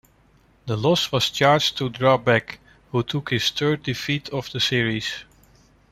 The loss was charged to Drabek, who took his third defeat of the series.